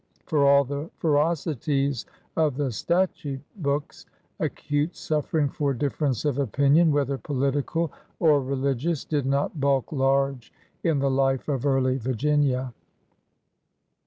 For all the ferocities of the statute books, acute su£Fering for difference of opinion, whether political or religious, did not bulk large in the life of early Virginia.